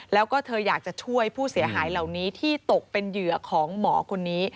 แล้วก็เธออยากจะช่วยผู้เสียหายเหล่านี้ที่ตกเป็นเหยื่อของหมอคนนี้